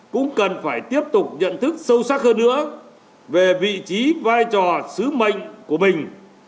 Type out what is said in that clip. cũng cần phải tiếp tục nhận thức sâu sắc hơn nữa về vị trí vai trò sứ mệnh của mình